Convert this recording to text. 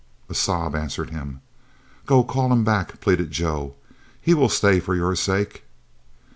A sob answered him. "Go call him back," pleaded Joe. "He will stay for your sake."